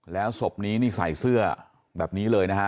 แล้วศพนี้นี่ใส่เสื้อแบบนี้เลยนะฮะ